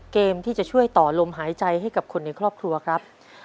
เกมที่จะช่วยต่อลมหายใจให้กับคนในครอบครัวครับ